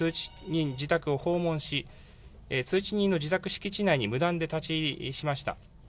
人自宅を訪問し、通知人の自宅敷地内に無断で立ち入りしました。